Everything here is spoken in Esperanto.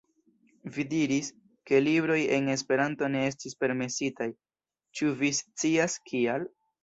Vi diris, ke libroj en Esperanto ne estis permesitaj, ĉu vi scias, kial?